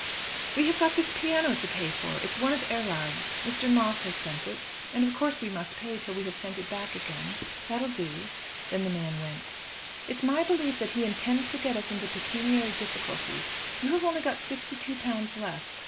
"We have got this piano to pay for. It's one of Erard's. Mr. Moss has sent it, and of course we must pay till we have sent it back again. That'll do." Then the man went. "It's my belief that he intends to get us into pecuniary difficulties. You have only got £62 left."